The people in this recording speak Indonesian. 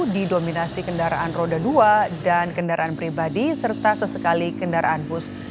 didominasi kendaraan roda dua dan kendaraan pribadi serta sesekali kendaraan bus